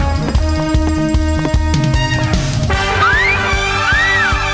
ส่องมันคาสว่างคามมวามวิถี